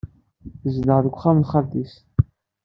Tezdeɣ deg uxxam n xalti-s.